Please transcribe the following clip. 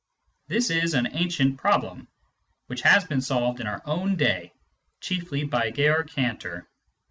This is an ancient problem, which has been solved in our own day, chiefly by Georg Cantor.